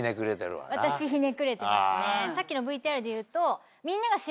さっきのＶＴＲでいうと。